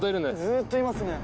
ずっといますね。